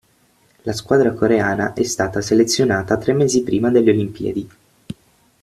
La squadra coreana è stata selezionata tre mesi prima delle Olimpiadi.